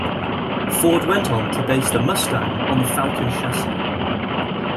Ford went on to base the Mustang on the Falcon chassis.